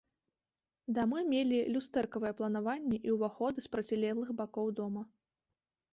Дамы мелі люстэркавае планаванне і ўваходы з процілеглых бакоў дома.